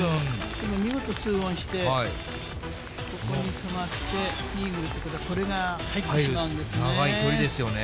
でも、見事２オンして、ここに止まって、イーグルということは、これが入ってしまうんで長い距離ですよね。